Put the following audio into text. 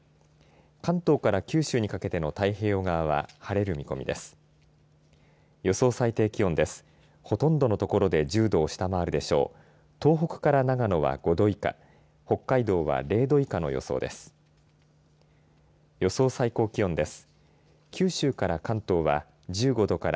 関東から九州にかけての太平洋側は晴れる見込みです。